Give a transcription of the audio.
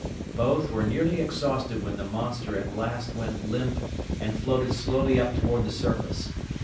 Both were nearly exhausted when the monster at last went limp and floated slowly up toward the surface.